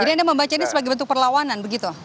jadi anda membaca ini sebagai bentuk perlawanan